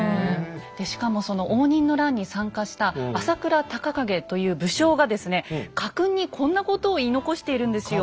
しかもその応仁の乱に参加した朝倉孝景という武将がですね家訓にこんなことを言い残しているんですよ。